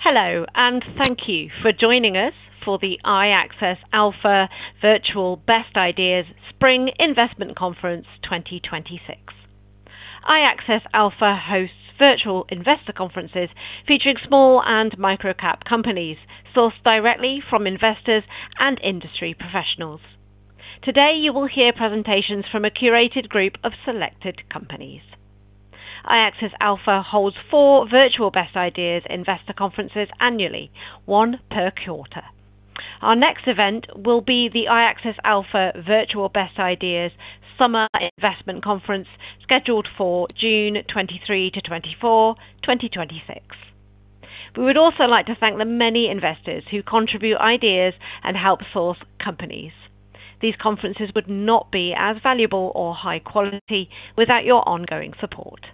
Hello, and thank you for joining us for the iAccess Alpha Virtual Best Ideas Spring Investment Conference 2026. iAccess Alpha hosts virtual investor conferences featuring small and micro-cap companies sourced directly from investors and industry professionals. Today, you will hear presentations from a curated group of selected companies. iAccess Alpha holds four Virtual Best Ideas investor conferences annually, one per quarter. Our next event will be the iAccess Alpha Virtual Best Ideas Summer Investment Conference, scheduled for June 23-24, 2026. We would also like to thank the many investors who contribute ideas and help source companies. These conferences would not be as valuable or high quality without your ongoing support.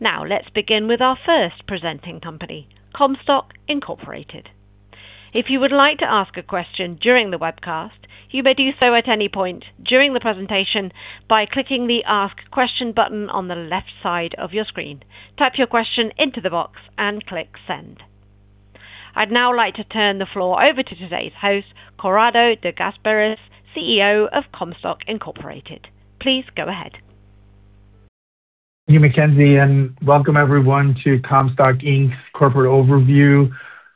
Now, let's begin with our first presenting company, Comstock Inc. If you would like to ask a question during the webcast, you may do so at any point during the presentation by clicking the Ask Question button on the left side of your screen. Type your question into the box and click Send. I'd now like to turn the floor over to today's host, Corrado De Gasperis, CEO of Comstock Inc. Please go ahead. Thank you, Mackenzie, and welcome everyone to Comstock Inc.'s corporate overview.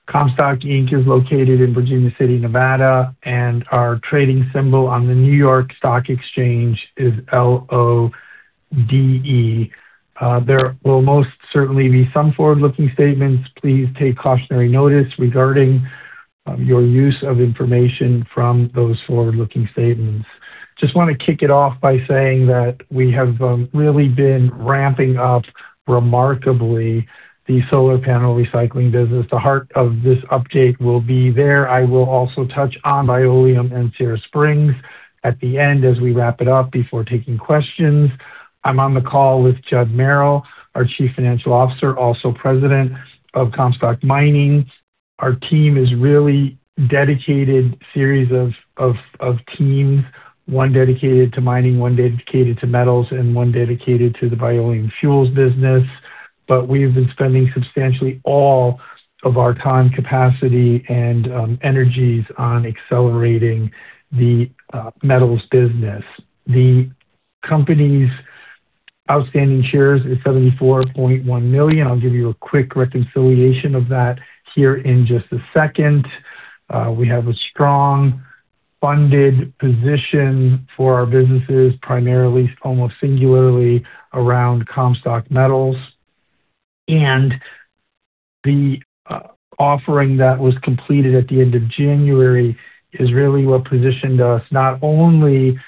Comstock Inc. is located in Virginia City, Nevada, and our trading symbol on the New York Stock Exchange is L-O-D-E. There will most certainly be some forward-looking statements. Please take cautionary notice regarding your use of information from those forward-looking statements. Just want to kick it off by saying that we have really been ramping up remarkably the solar panel recycling business. The heart of this update will be there. I will also touch on Bioleum and Sierra Springs at the end as we wrap it up before taking questions. I'm on the call with Judd Merrill, our Chief Financial Officer, also President of Comstock Mining. Our team is really dedicated series of teams, one dedicated to mining, one dedicated to metals, and one dedicated to the Bioleum fuels business. We've been spending substantially all of our time, capacity, and energies on accelerating the metals business. The company's outstanding shares is 74.1 million. I'll give you a quick reconciliation of that here in just a second. We have a strong funded position for our businesses, primarily, almost singularly around Comstock Metals. The offering that was completed at the end of January is really what positioned us not only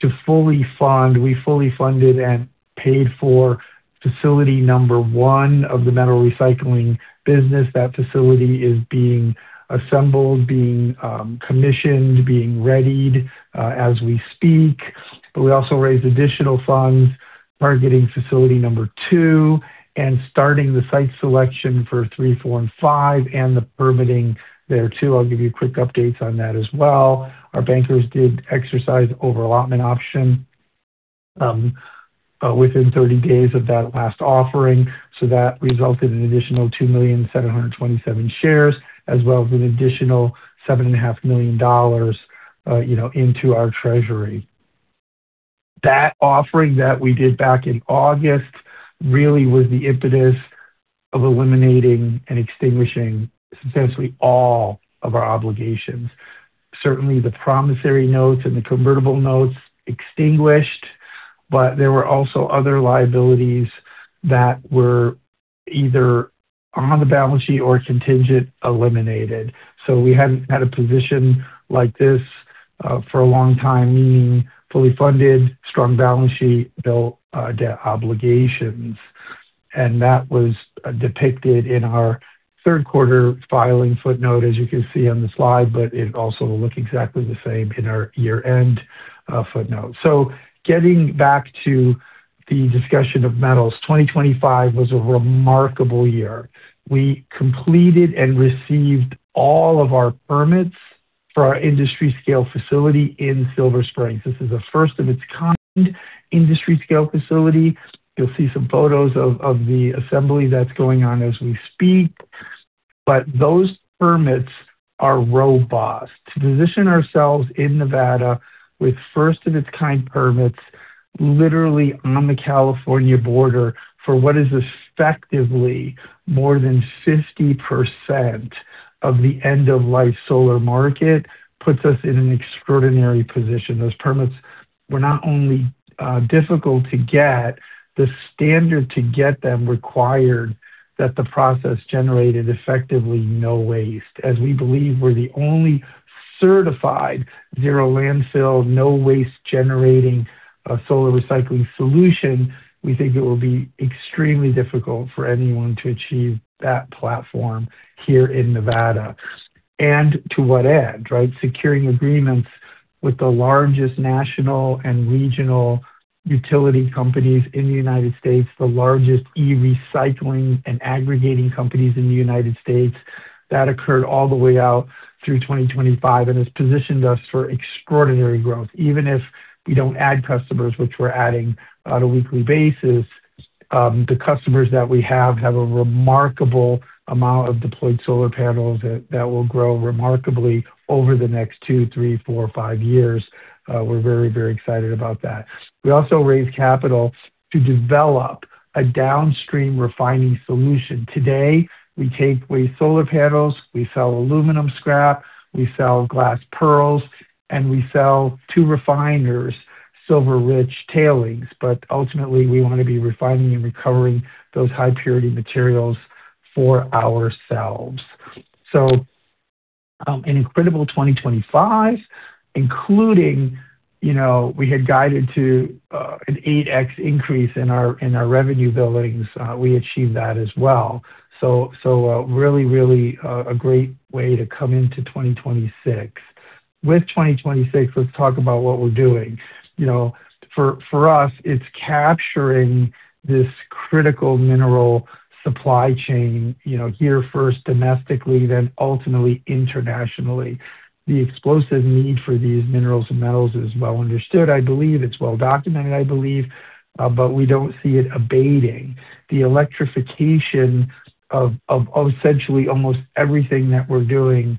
to fully fund. We fully funded and paid for facility number one of the metal recycling business. That facility is being assembled, commissioned, and readied as we speak. We also raised additional funds targeting facility number two and starting the site selection for three, four, and five and the permitting there too. I'll give you quick updates on that as well. Our bankers did exercise over allotment option within 30 days of that last offering, so that resulted in an additional 2,727,000 shares as well as an additional $7.5 million, you know, into our treasury. That offering that we did back in August really was the impetus of eliminating and extinguishing substantially all of our obligations. Certainly, the promissory notes and the convertible notes extinguished, but there were also other liabilities that were either on the balance sheet or contingent, eliminated. We hadn't had a position like this for a long time, meaning fully funded, strong balance sheet, no debt obligations. That was depicted in our third quarter filing footnote, as you can see on the slide, but it also will look exactly the same in our year-end footnote. Getting back to the discussion of metals, 2025 was a remarkable year. We completed and received all of our permits for our industry scale facility in Silver Springs. This is a first of its kind industry scale facility. You'll see some photos of the assembly that's going on as we speak. Those permits are robust. To position ourselves in Nevada with first of its kind permits literally on the California border for what is effectively more than 50% of the end-of-life solar market puts us in an extraordinary position. Those permits were not only difficult to get, the standard to get them required that the process generated effectively no waste. As we believe we're the only certified zero landfill, no waste generating solar recycling solution, we think it will be extremely difficult for anyone to achieve that platform here in Nevada. And to what end, right? Securing agreements with the largest national and regional utility companies in the United States, the largest e-recycling and aggregating companies in the United States. That occurred all the way out through 2025 and has positioned us for extraordinary growth. Even if we don't add customers, which we're adding on a weekly basis, the customers that we have have a remarkable amount of deployed solar panels that will grow remarkably over the next two, three, four, five years. We're very, very excited about that. We also raised capital to develop a downstream refining solution. Today, we take waste solar panels, we sell aluminum flake, we sell glass pearls, and we sell to refiners silver-rich tailings. But ultimately, we want to be refining and recovering those high purity materials for ourselves. an incredible 2025, including, you know, we had guided to an 8x increase in our revenue billings. We achieved that as well. Really a great way to come into 2026. With 2026, let's talk about what we're doing. You know, for us, it's capturing this critical mineral supply chain, you know, here first domestically, then ultimately internationally. The explosive need for these minerals and metals is well understood, I believe. It's well documented, I believe. We don't see it abating. The electrification of essentially almost everything that we're doing,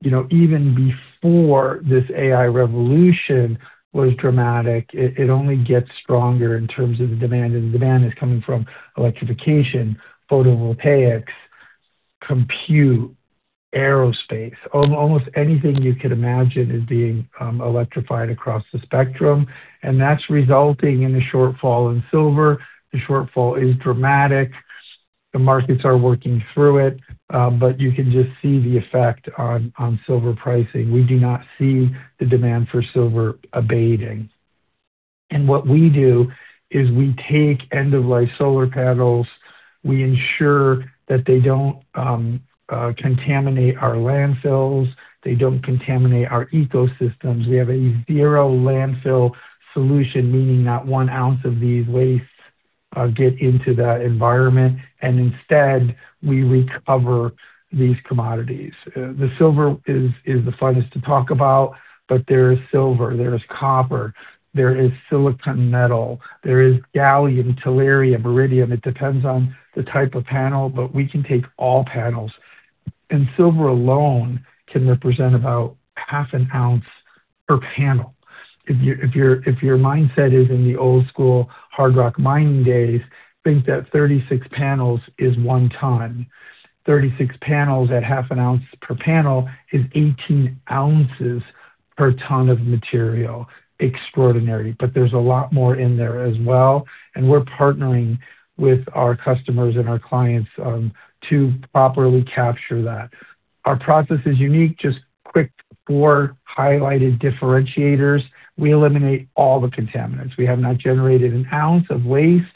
you know, even before this AI revolution was dramatic. It only gets stronger in terms of the demand, and the demand is coming from electrification, photovoltaics, compute, aerospace. Almost anything you could imagine is being electrified across the spectrum, and that's resulting in a shortfall in silver. The shortfall is dramatic. The markets are working through it, but you can just see the effect on silver pricing. We do not see the demand for silver abating. What we do is we take end-of-life solar panels. We ensure that they don't contaminate our landfills, they don't contaminate our ecosystems. We have a zero landfill solution, meaning not one ounce of these wastes get into the environment. Instead, we recover these commodities. The silver is the funnest to talk about, but there is silver, there is copper, there is silicon metal, there is gallium, tellurium, iridium. It depends on the type of panel, but we can take all panels. Silver alone can represent about half an ounce per panel. If your mindset is in the old school hard rock mining days, think that 36 panels is one ton. 36 panels at half an ounce per panel is 18 ounces per ton of material. Extraordinary. There's a lot more in there as well, and we're partnering with our customers and our clients to properly capture that. Our process is unique. Just quick four highlighted differentiators. We eliminate all the contaminants. We have not generated an ounce of waste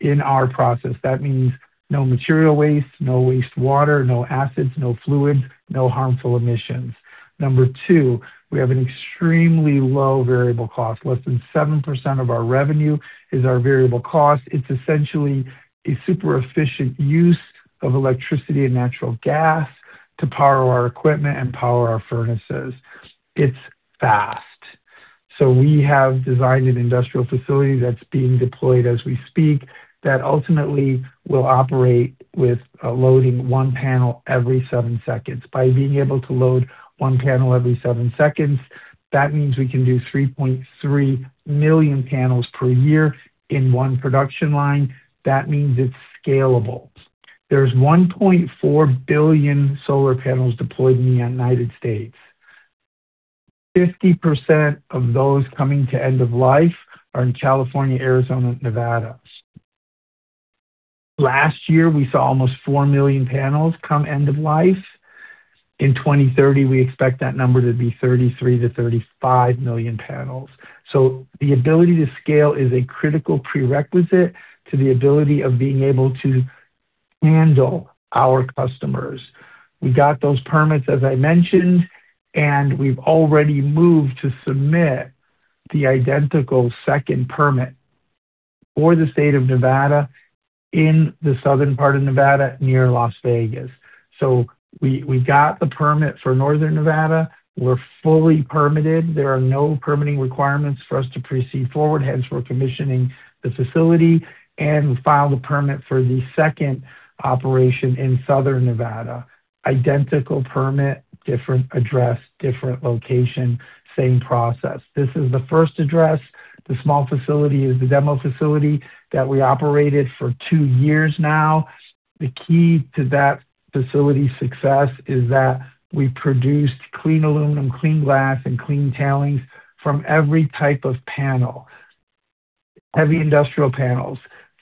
in our process. That means no material waste, no waste water, no acids, no fluids, no harmful emissions. Number two, we have an extremely low variable cost. Less than 7% of our revenue is our variable cost. It's essentially a super efficient use of electricity and natural gas to power our equipment and power our furnaces. It's fast. We have designed an industrial facility that's being deployed as we speak that ultimately will operate with loading one panel every seven seconds. By being able to load one panel every seven seconds, that means we can do 3.3 million panels per year in one production line. That means it's scalable. There's 1.4 billion solar panels deployed in the United States. 50% of those coming to end of life are in California, Arizona, Nevada. Last year, we saw almost 4 million panels come end of life. In 2030, we expect that number to be 33-35 million panels. The ability to scale is a critical prerequisite to the ability of being able to handle our customers. We got those permits, as I mentioned, and we've already moved to submit the identical second permit for the state of Nevada in the southern part of Nevada, near Las Vegas. We got the permit for northern Nevada. We're fully permitted. There are no permitting requirements for us to proceed forward. Hence, we're commissioning the facility and filed a permit for the second operation in southern Nevada. Identical permit, different address, different location, same process. This is the first address. The small facility is the demo facility that we operated for two years now. The key to that facility's success is that we produced clean aluminum, clean glass, and clean tailings from every type of panel. Heavy industrial panels,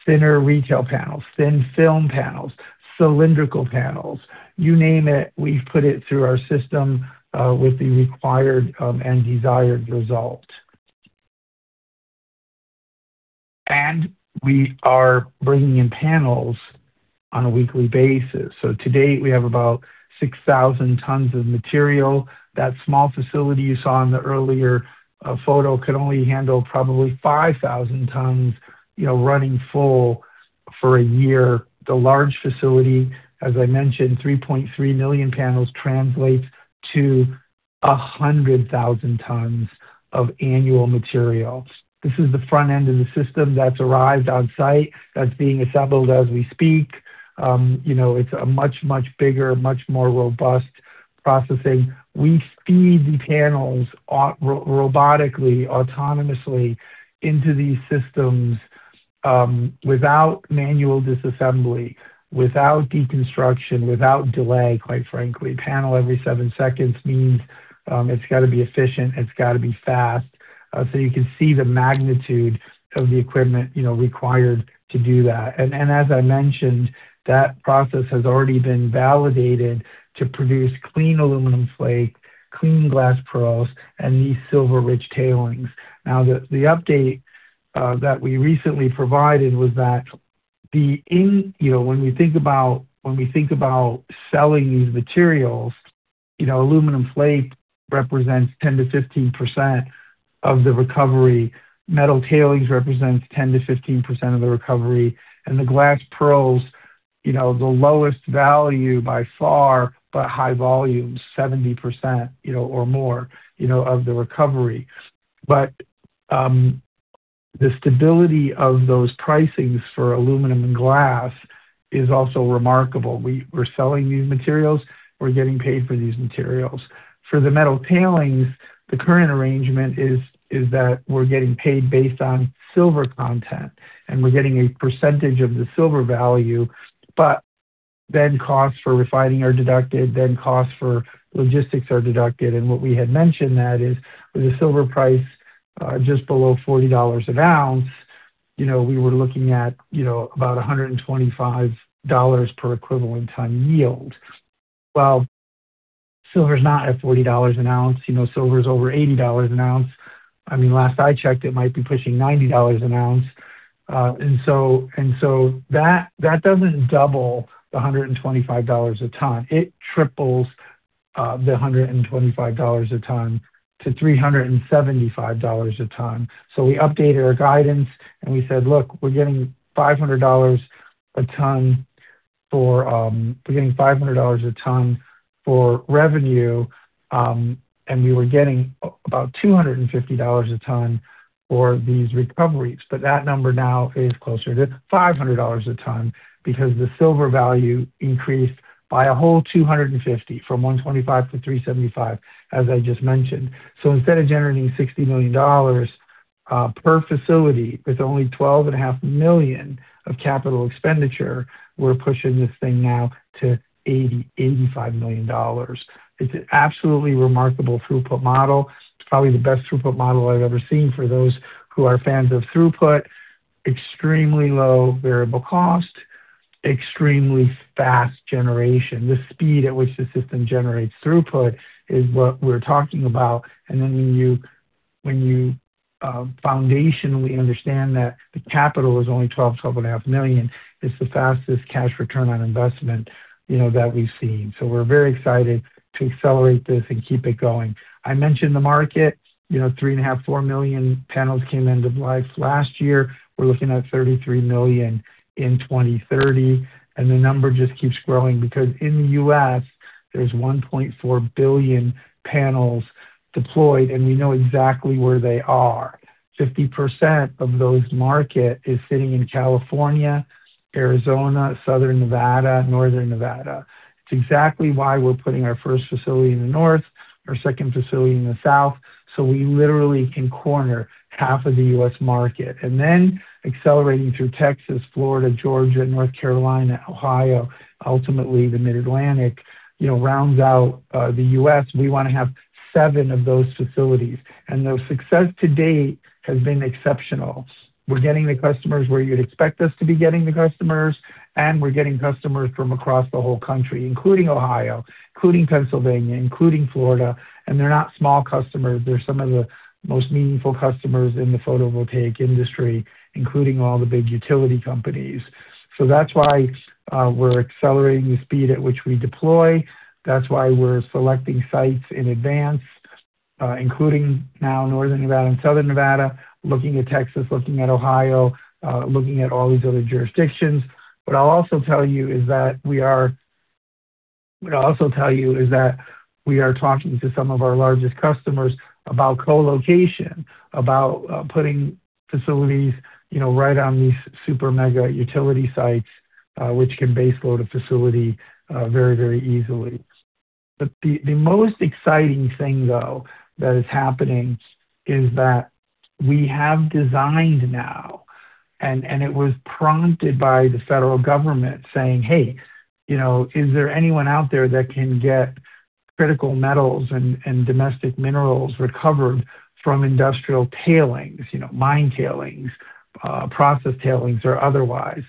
thinner retail panels, thin film panels, cylindrical panels. You name it, we've put it through our system, with the required and desired result. We are bringing in panels on a weekly basis. To date, we have about 6,000 tons of material. That small facility you saw in the earlier photo can only handle probably 5,000 tons, you know, running full for a year. The large facility, as I mentioned, 3.3 million panels translates to a hundred thousand tons of annual material. This is the front end of the system that's arrived on site, that's being assembled as we speak. You know, it's a much, much bigger, much more robust processing. We feed the panels robotically, autonomously into these systems, without manual disassembly, without deconstruction, without delay, quite frankly. Panel every 7 seconds means, it's gotta be efficient, it's gotta be fast. So you can see the magnitude of the equipment, you know, required to do that. As I mentioned, that process has already been validated to produce clean aluminum flake, clean glass pearls, and these silver-rich tailings. Now the update that we recently provided was that you know, when we think about selling these materials, you know, aluminum flake represents 10%-15% of the recovery. Silver-rich tailings represents 10%-15% of the recovery. The glass pearls, you know, the lowest value by far, but high volume, 70% or more, you know, of the recovery. The stability of those pricing for aluminum and glass is also remarkable. We're selling these materials. We're getting paid for these materials. For the silver-rich tailings, the current arrangement is that we're getting paid based on silver content, and we're getting a percentage of the silver value. Costs for refining are deducted, then costs for logistics are deducted. What we had mentioned that is with the silver price just below $40 an ounce, you know, we were looking at, you know, about $125 per equivalent ton yield. Well, silver's not at $40 an ounce. You know, silver's over $80 an ounce. I mean, last I checked, it might be pushing $90 an ounce. That doesn't double the $125 a ton. It triples the $125 a ton to $375 a ton. We updated our guidance and we said, "Look, we're getting $500 a ton for revenue," and we were getting about $250 a ton for these recoveries. That number now is closer to $500 a ton because the silver value increased by a whole $250 from $125 to $375, as I just mentioned. Instead of generating $60 million per facility with only $12 and a half million of capital expenditure, we're pushing this thing now to $80-$85 million. It's an absolutely remarkable throughput model. It's probably the best throughput model I've ever seen for those who are fans of throughput. Extremely low variable cost, extremely fast generation. The speed at which the system generates throughput is what we're talking about. When you foundationally understand that the capital is only $12.5 million, it's the fastest cash return on investment, you know, that we've seen. We're very excited to accelerate this and keep it going. I mentioned the market. You know, 3.5-4 million panels came end of life last year. We're looking at 33 million in 2030, and the number just keeps growing because in the U.S. there's 1.4 billion panels deployed, and we know exactly where they are. 50% of those market is sitting in California, Arizona, Southern Nevada, Northern Nevada. It's exactly why we're putting our first facility in the north, our second facility in the south, so we literally can corner half of the U.S. market. Accelerating through Texas, Florida, Georgia, North Carolina, Ohio, ultimately the Mid-Atlantic, you know, rounds out the U.S. We wanna have seven of those facilities. The success to date has been exceptional. We're getting the customers where you'd expect us to be getting the customers, and we're getting customers from across the whole country, including Ohio, including Pennsylvania, including Florida. They're not small customers. They're some of the most meaningful customers in the photovoltaic industry, including all the big utility companies. That's why we're accelerating the speed at which we deploy. That's why we're selecting sites in advance, including now Northern Nevada and Southern Nevada, looking at Texas, looking at Ohio, looking at all these other jurisdictions. What I'll also tell you is that we are talking to some of our largest customers about co-location, about putting facilities, you know, right on these super mega utility sites, which can base load a facility very, very easily. The most exciting thing though that is happening is that we have designed now, and it was prompted by the federal government saying, "Hey, you know, is there anyone out there that can get critical metals and domestic minerals recovered from industrial tailings?" You know, mine tailings, process tailings or otherwise.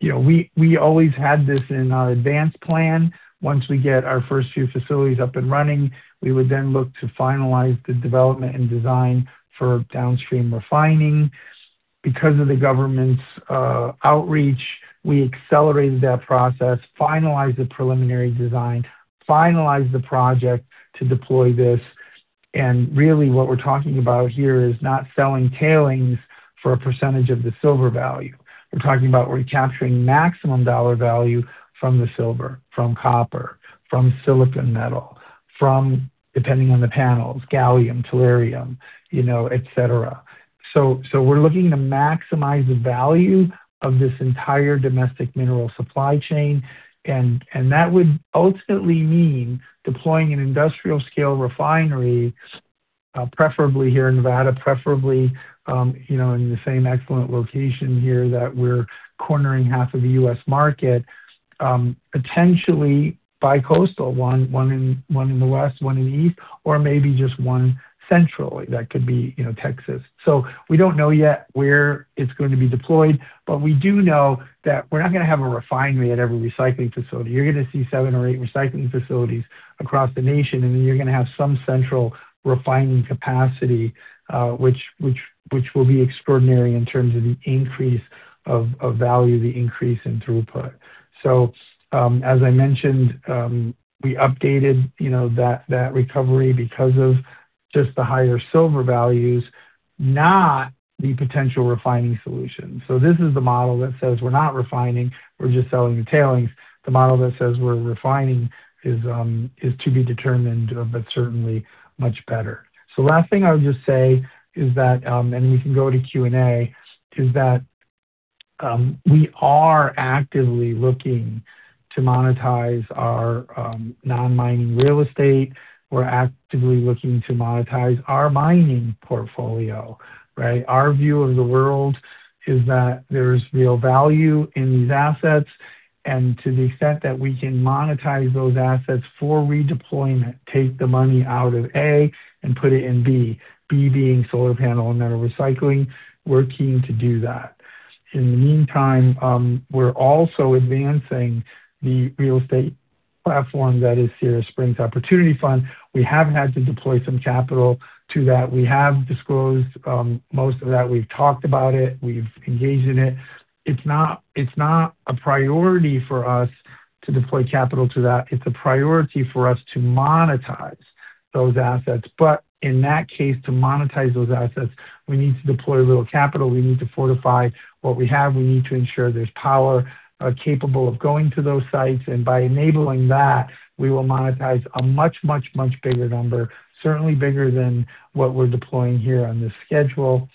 You know, we always had this in our advanced plan. Once we get our first few facilities up and running, we would then look to finalize the development and design for downstream refining. Because of the government's outreach, we accelerated that process, finalized the preliminary design, finalized the project to deploy this. Really what we're talking about here is not selling tailings for a percentage of the silver value. We're talking about recapturing maximum dollar value from the silver, from copper, from silicon metal, from, depending on the panels, gallium, tellurium, you know, et cetera. So we're looking to maximize the value of this entire domestic mineral supply chain. That would ultimately mean deploying an industrial scale refinery, preferably here in Nevada, preferably, you know, in the same excellent location here that we're cornering half of the U.S. market, potentially bi-coastal one in the west, one in the east, or maybe just one centrally that could be, you know, Texas. We don't know yet where it's going to be deployed, but we do know that we're not going to have a refinery at every recycling facility. You're going to see seven or eight recycling facilities across the nation, and then you're going to have some central refining capacity, which will be extraordinary in terms of the increase of value, the increase in throughput. As I mentioned, you know, that recovery because of just the higher silver values, not the potential refining solution. This is the model that says we're not refining, we're just selling the tailings. The model that says we're refining is to be determined, but certainly much better. Last thing I would just say is that, and we can go to Q&A, is that, we are actively looking to monetize our, non-mining real estate. We're actively looking to monetize our mining portfolio, right? Our view of the world is that there's real value in these assets, and to the extent that we can monetize those assets for redeployment, take the money out of A and put it in B. B being solar panel and metal recycling. We're keen to do that. In the meantime, we're also advancing the real estate platform that is Sierra Springs Opportunity Fund. We have had to deploy some capital to that. We have disclosed, most of that. We've talked about it, we've engaged in it. It's not a priority for us to deploy capital to that. It's a priority for us to monetize those assets. In that case, to monetize those assets, we need to deploy a little capital. We need to fortify what we have. We need to ensure there's power capable of going to those sites. By enabling that, we will monetize a much bigger number, certainly bigger than what we're deploying here on this schedule.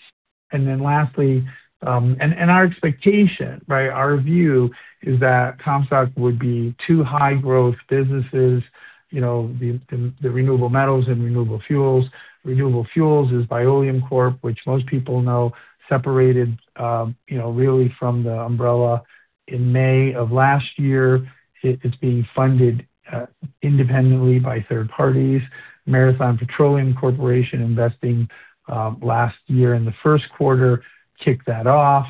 Our expectation, right, our view is that Comstock would be two high growth businesses. You know, the renewable metals and renewable fuels. Renewable fuels is Bioleum Corp, which most people know separated really from the umbrella in May of last year. It's being funded independently by third parties. Marathon Petroleum Corporation investing last year in the first quarter kicked that off.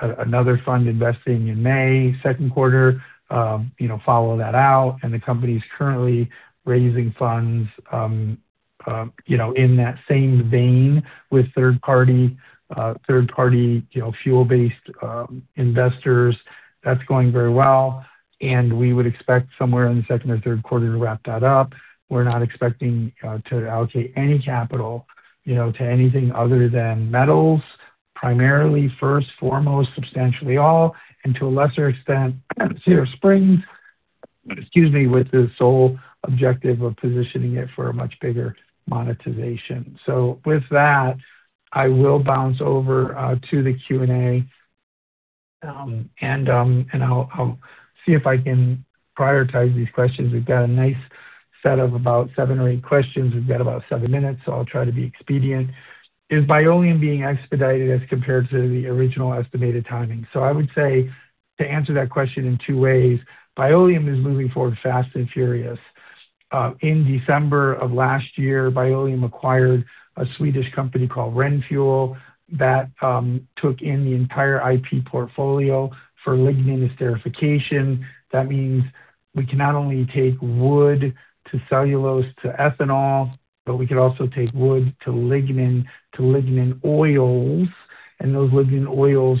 Another fund investing in May, second quarter, you know, follow that out. The company's currently raising funds, you know, in that same vein with third party, you know, fuel-based investors. That's going very well. We would expect somewhere in the second or third quarter to wrap that up. We're not expecting to allocate any capital, you know, to anything other than metals, primarily first, foremost, substantially all, and to a lesser extent, Sierra Springs, excuse me, with the sole objective of positioning it for a much bigger monetization. With that, I will bounce over to the Q&A, and I'll see if I can prioritize these questions. We've got a nice set of about seven or eight questions. We've got about seven minutes, so I'll try to be expedient. Is Bioleum being expedited as compared to the original estimated timing? I would say to answer that question in two ways. Bioleum is moving forward fast and furious. In December of last year, Bioleum acquired a Swedish company called Renfuel that took in the entire IP portfolio for lignin esterification. That means we can not only take wood to cellulose to ethanol, but we could also take wood to lignin, to lignin oils, and those lignin oils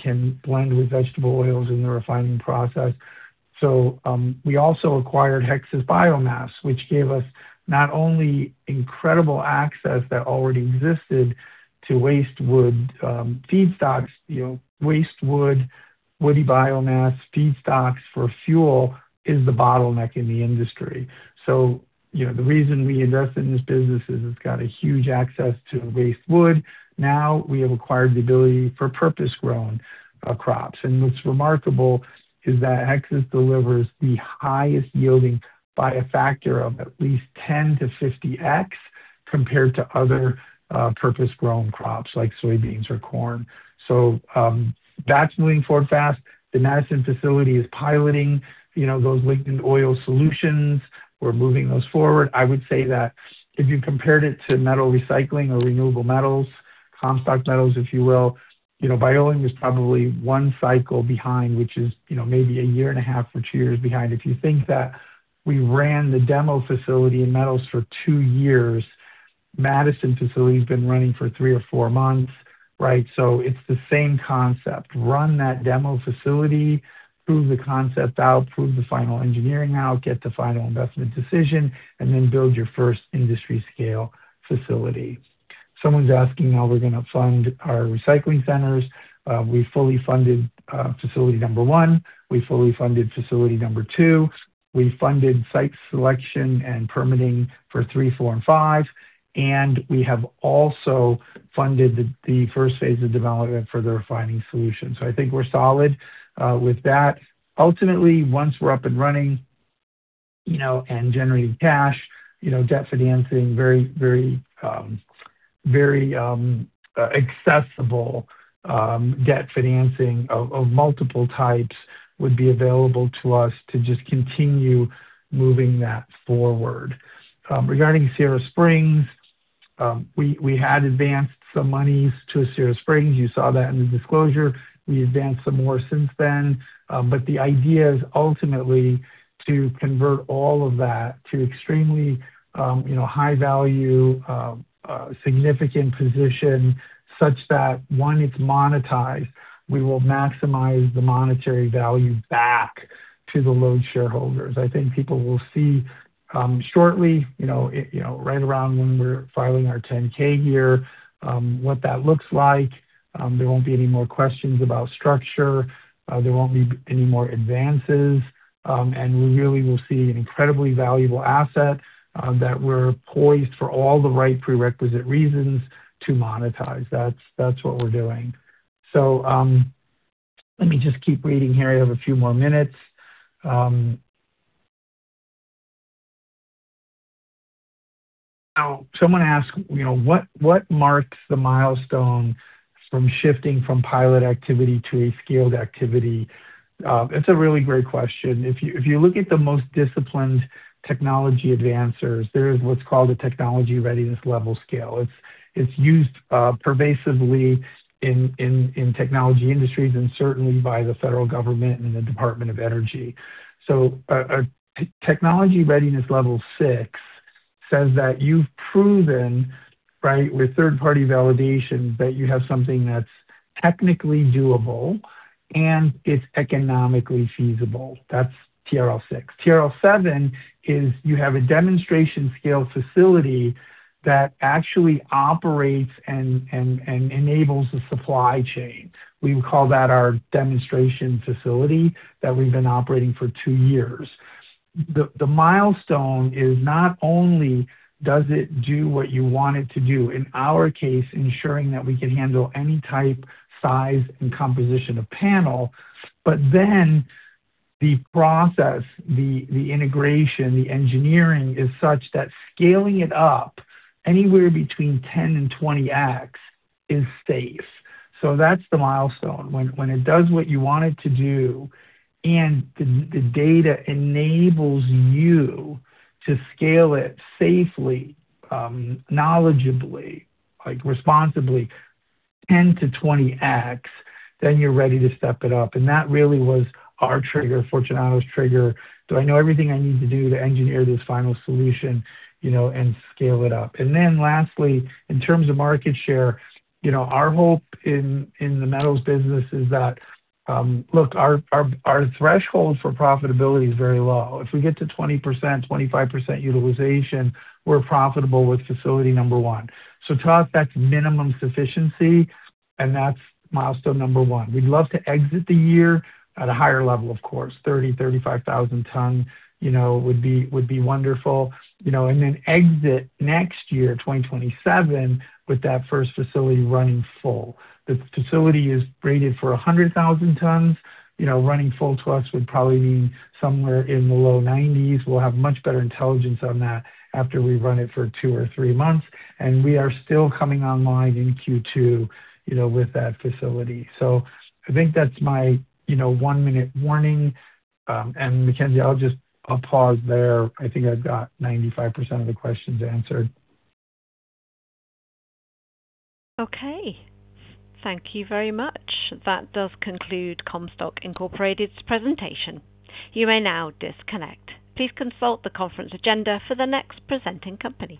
can blend with vegetable oils in the refining process. We also acquired Hexas Biomass, which gave us not only incredible access that already existed to waste wood, feedstocks, you know, waste wood, woody biomass, feedstocks for fuel is the bottleneck in the industry. You know, the reason we invest in this business is it's got a huge access to waste wood. Now, we have acquired the ability for purpose-grown crops. What's remarkable is that Hexas delivers the highest yielding by a factor of at least 10-50x compared to other, purpose-grown crops like soybeans or corn. That's moving forward fast. The Madison facility is piloting, you know, those lignin oil solutions. We're moving those forward. I would say that if you compared it to metal recycling or renewable metals, Comstock Metals, if you will, you know, Bioleum is probably one cycle behind, which is, you know, maybe a year and a half or two years behind. If you think that we ran the demo facility in metals for two years. Madison facility has been running for three or four months, right? It's the same concept. Run that demo facility, prove the concept out, prove the final engineering out, get the final investment decision, and then build your first industry scale facility. Someone's asking how we're going to fund our recycling centers. We fully funded facility number 1. We fully funded facility number 2. We funded site selection and permitting for 3, 4 and 5. We have also funded the first phase of development for the refining solution. I think we're solid with that. Ultimately, once we're up and running, you know, and generating cash, you know, debt financing very accessible debt financing of multiple types would be available to us to just continue moving that forward. Regarding Sierra Springs, we had advanced some monies to Sierra Springs. You saw that in the disclosure. We advanced some more since then. The idea is ultimately to convert all of that to extremely, you know, high value, significant position such that when it's monetized, we will maximize the monetary value back to the LODE shareholders. I think people will see, shortly, you know, right around when we're filing our 10-K year, what that looks like. There won't be any more questions about structure, there won't be any more advances, and we really will see an incredibly valuable asset, that we're poised for all the right prerequisite reasons to monetize. That's what we're doing. Let me just keep reading here. I have a few more minutes. Someone asked, you know, what marks the milestone from shifting from pilot activity to a scaled activity? That's a really great question. If you look at the most disciplined technology advancers, there is what's called a Technology Readiness Level scale. It's used pervasively in technology industries and certainly by the federal government and the Department of Energy. A Technology Readiness Level 6 says that you've proven, right, with third party validation that you have something that's technically doable and it's economically feasible. That's TRL 6. TRL 7 is you have a demonstration scale facility that actually operates and enables the supply chain. We would call that our demonstration facility that we've been operating for two years. The milestone is not only does it do what you want it to do, in our case, ensuring that we can handle any type, size and composition of panel, but then the process, the integration, the engineering is such that scaling it up anywhere between 10 and 20x is safe. That's the milestone. When it does what you want it to do and the data enables you to scale it safely, knowledgeably, like responsibly 10-20x, then you're ready to step it up. That really was our trigger. Fortunato's trigger. Do I know everything I need to do to engineer this final solution, you know, and scale it up? Then lastly, in terms of market share, you know, our hope in the metals business is that, look, our threshold for profitability is very low. If we get to 20%, 25% utilization, we're profitable with facility number one. Talk that minimum sufficiency, and that's milestone number one. We'd love to exit the year at a higher level, of course. 30,000-35,000 tons, you know, would be wonderful, you know, and then exit next year, 2027, with that first facility running full. The facility is rated for 100,000 tons. You know, running full to us would probably mean somewhere in the low 90s. We'll have much better intelligence on that after we run it for 2 or 3 months. We are still coming online in Q2, you know, with that facility. I think that's my, you know, one-minute warning. And Mackenzie, I'll just pause there. I think I've got 95% of the questions answered. Okay. Thank you very much. That does conclude Comstock Inc.'s presentation. You may now disconnect. Please consult the conference agenda for the next presenting company.